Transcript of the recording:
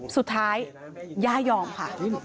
สุดท้ายย่ายอมค่ะ